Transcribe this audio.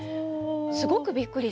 すごくびっくりして。